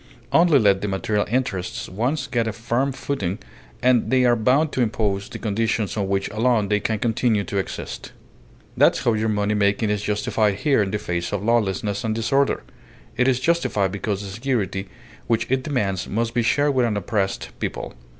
Only let the material interests once get a firm footing, and they are bound to impose the conditions on which alone they can continue to exist. That's how your money making is justified here in the face of lawlessness and disorder. It is justified because the security which it demands must be shared with an oppressed people.